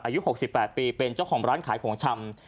อายุหกสิบแปดปีเป็นเจ้าของร้านขายของชำ